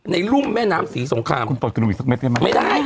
รุ่มแม่น้ำศรีสงครามคุณเปิดกระดูกอีกสักเม็ดได้ไหมไม่ได้